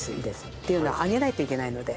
っていうのは揚げないといけないので。